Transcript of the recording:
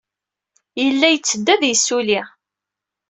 Yella yetteddu ad yessulli.